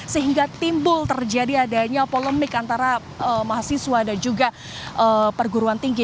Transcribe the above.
sehingga timbul terjadi adanya polemik antara mahasiswa dan juga perguruan tinggi